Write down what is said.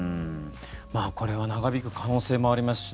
これは長引く可能性もありますし